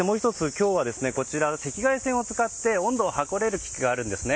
今日はこちらに赤外線を使って温度を測れる機器があるんですね。